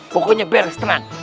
pokoknya beres terang